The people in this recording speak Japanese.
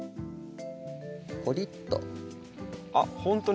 ポリッと。